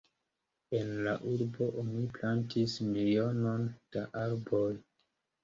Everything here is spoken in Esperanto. En la urbo oni plantis milionon da arboj.